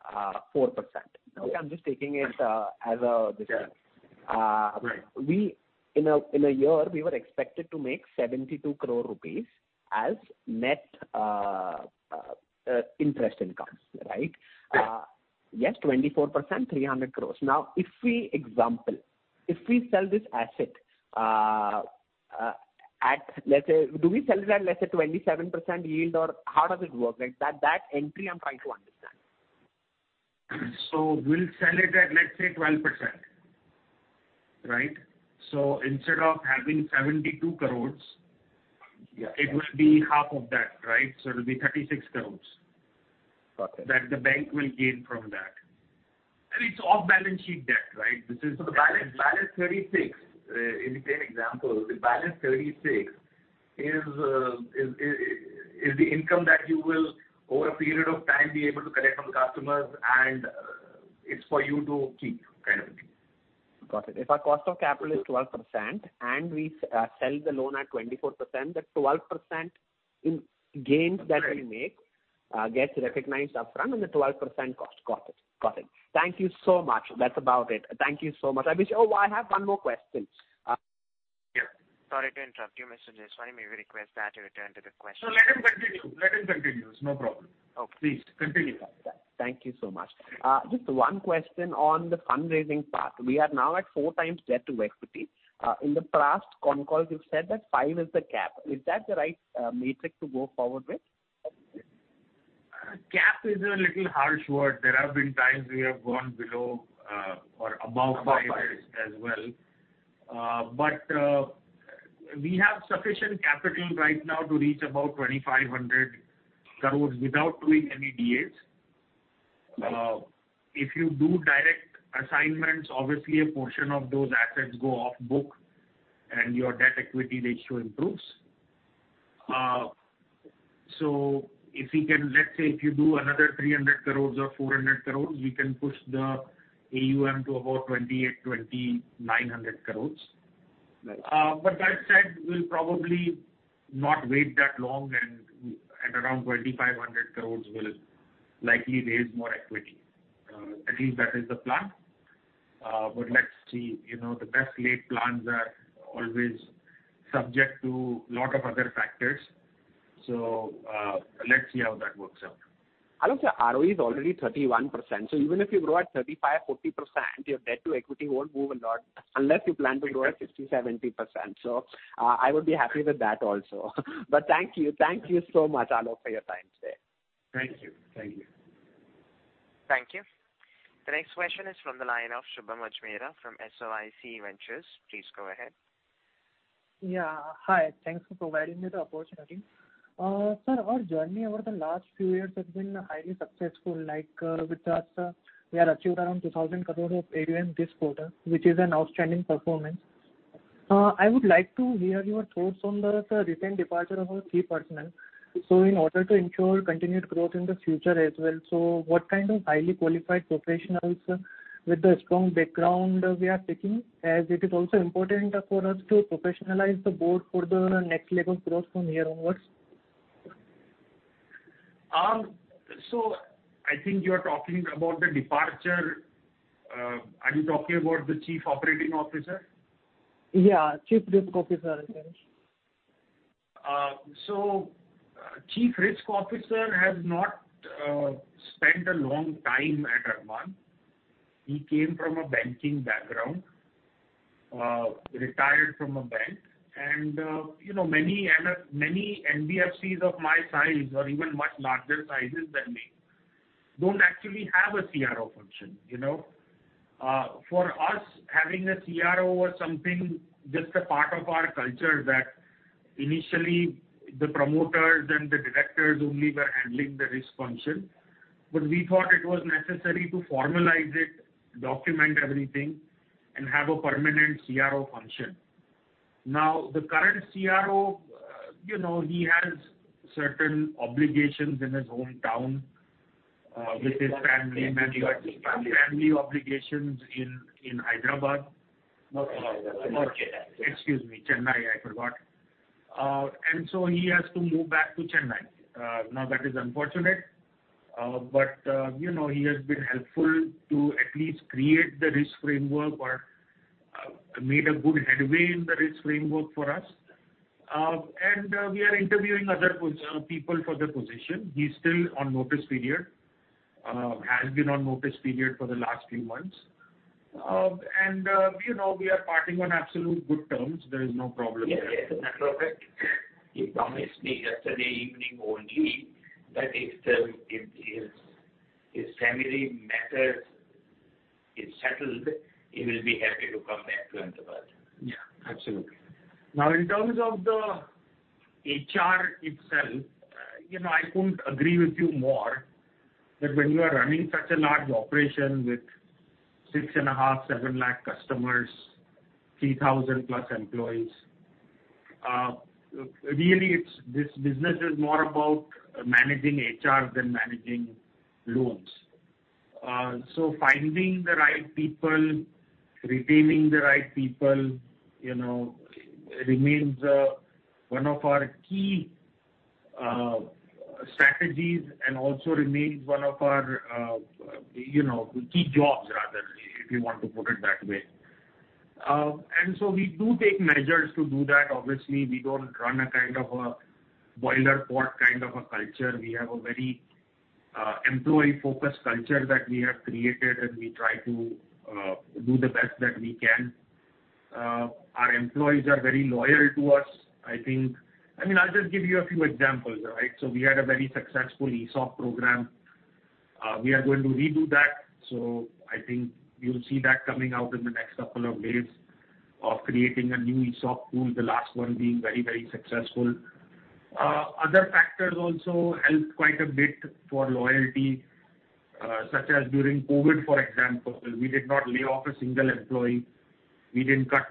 Okay, I'm just taking it. Yeah. Uh- Right. We in a year, we were expected to make 72 crore rupees as net interest income, right? Yes. Yes, 24%, 300 crores. If we example, if we sell this asset, at, let's say, do we sell it at, let's say, 27% yield, or how does it work? Like, that entry I'm trying to understand. We'll sell it at, let's say, 12%, right? Instead of having 72 crores- Yeah. it would be half of that, right? It'll be 36 crores. Got it. That the bank will gain from that. It's off-balance sheet debt, right? The balance 36, in the same example, the balance 36 is the income that you will, over a period of time, be able to collect from the customers, and, it's for you to keep, kind of thing. Got it. If our cost of capital is 12% and we sell the loan at 24%, the 12% in gains- Right. that we make gets recognized upfront and the 12% cost. Got it. Got it. Thank you so much. That's about it. Thank you so much. Oh, I have one more question. Yeah. Sorry to interrupt you, Mr. Jeswani. May we request that you return to the question? No, let him continue. Let him continue. It's no problem. Oh. Please continue. Thank you so much. Just one question on the fundraising part. We are now at four times debt to equity. In the past con call, you've said that five is the cap. Is that the right metric to go forward with? Cap is a little harsh word. There have been times we have gone below, or above five- Above five.... as well. We have sufficient capital right now to reach about 2,500 crores without doing any DAs. Right. If you do direct assignments, obviously a portion of those assets go off book and your debt equity ratio improves. If you can, let's say, if you do another 300 crores or 400 crores, we can push the AUM to about 2,800-2,900 crores. Right. That said, we'll probably not wait that long, and at around 2,500 crores, we'll likely raise more equity. At least that is the plan. Let's see. You know, the best laid plans are always subject to lot of other factors. Let's see how that works out. Aalok, sir, ROE is already 31%. Even if you grow at 35%, 40%, your debt to equity won't move a lot unless you plan to grow at 60%, 70%. I would be happy with that also. Thank you. Thank you so much, Aalok, for your time today. Thank you. Thank you. Thank you. The next question is from the line of Shubham Ajmera from SOIC Research. Please go ahead. Yeah. Hi, thanks for providing me the opportunity. Sir, our journey over the last few years has been highly successful. Like, with us, we have achieved around 2,000 crore of AUM this quarter, which is an outstanding performance. I would like to hear your thoughts on the recent departure of our key personnel. In order to ensure continued growth in the future as well, what kind of highly qualified professionals with a strong background we are taking? As it is also important for us to professionalize the board for the next level growth from here onwards. I think you are talking about the departure. Are you talking about the chief operating officer? Yeah. Chief Risk Officer. Chief Risk Officer has not spent a long time at Arman. He came from a banking background, retired from a bank. You know, many, many NBFCs of my size or even much larger sizes than me, don't actually have a CRO function, you know? For us, having a CRO was something, just a part of our culture, that initially the promoters and the directors only were handling the risk function. We thought it was necessary to formalize it, document everything, and have a permanent CRO function. The current CRO, you know, he has certain obligations in his hometown, with his family members. He has family obligations. Family obligations in Hyderabad. Not Hyderabad, Chennai. Excuse me, Chennai, I forgot. He has to move back to Chennai. Now, that is unfortunate, but, you know, he has been helpful to at least create the risk framework or made a good headway in the risk framework for us. We are interviewing other people for the position. He's still on notice period, has been on notice period for the last few months. You know, we are parting on absolute good terms. There is no problem there. Yes, yes, perfect. He promised me yesterday evening only that if his family matters is settled, he will be happy to come back to Ahmedabad. Yeah, absolutely. In terms of the HR itself, you know, I couldn't agree with you more, that when you are running such a large operation with 6.5 lakh-7 lakh customers, 3,000+ employees, really, this business is more about managing HR than managing loans. Finding the right people, retaining the right people, you know, remains one of our key strategies and also remains one of our, you know, key jobs, rather, if you want to put it that way. We do take measures to do that. Obviously, we don't run a kind of a boiler room kind of a culture. We have a very employee-focused culture that we have created, and we try to do the best that we can. Our employees are very loyal to us, I think. I mean, I'll just give you a few examples, all right? We had a very successful ESOP program. We are going to redo that. I think you'll see that coming out in the next couple of days, of creating a new ESOP pool, the last one being very, very successful. other factors also helped quite a bit for loyalty, such as during COVID, for example, we did not lay off a single employee. We didn't cut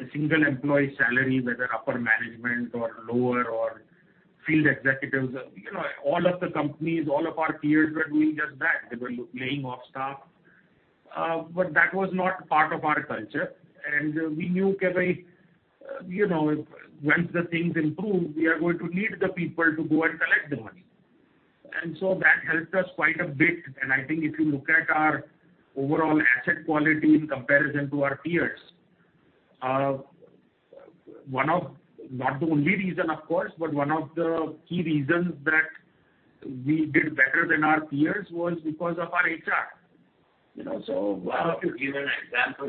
a single employee's salary, whether upper management or lower or field executives. You know, all of the companies, all of our peers were doing just that. They were laying off staff. That was not part of our culture, and we knew, you know, once the things improve, we are going to need the people to go and collect the money. That helped us quite a bit. I think if you look at our overall asset quality in comparison to our peers, Not the only reason, of course, but one of the key reasons that we did better than our peers was because of our HR. You know, why don't you give an example,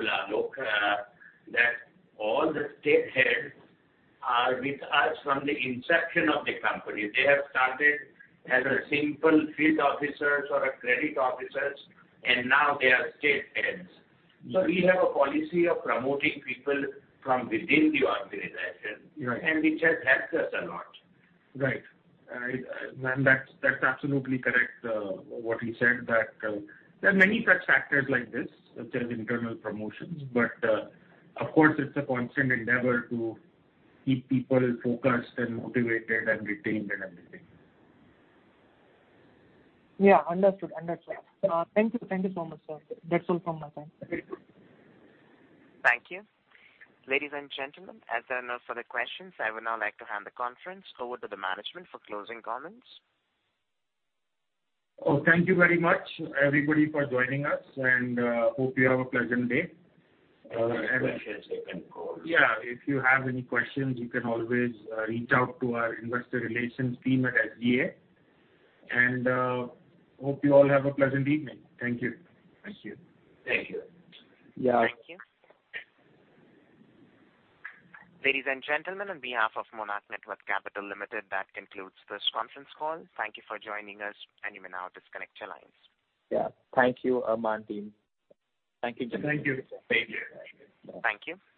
that all the state heads are with us from the inception of the company. They have started as a simple field officers or a credit officers, and now they are state heads. We have a policy of promoting people from within the organization. Right. It just helps us a lot. Right. That's absolutely correct, what you said, that there are many such factors like this, such as internal promotions. Of course, it's a constant endeavor to keep people focused and motivated and retained and everything. Yeah, understood. Understood. Thank you. Thank you so much, sir. That's all from my side. Very good. Thank you. Ladies and gentlemen, as there are no further questions, I would now like to hand the conference over to the management for closing comments. Thank you very much, everybody, for joining us, and hope you have a pleasant day. Any questions, they can call. Yeah, if you have any questions, you can always reach out to our investor relations team at SGA. Hope you all have a pleasant evening. Thank you. Thank you. Thank you. Yeah. Thank you. Ladies and gentlemen, on behalf of Monarch Networth Capital Limited, that concludes this conference call. Thank you for joining us, and you may now disconnect your lines. Yeah. Thank you, Arman team. Thank you. Thank you. Thank you. Thank you.